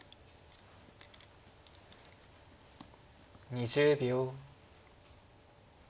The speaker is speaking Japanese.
２０秒。